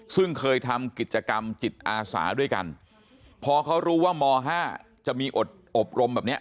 ซึ่งเคยทำกิจกรรมจิตอาสาด้วยกันพอเขารู้ว่าม๕จะมีอดอบรมแบบเนี้ย